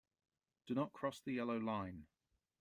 Do not cross the yellow line.